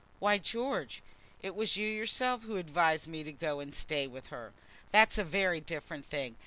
"Why, George, it was you yourself who advised me to go and stay with her." "That's a very different thing.